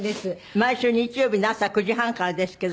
毎週日曜日の朝９時半からですけど。